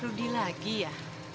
rudy lagi ya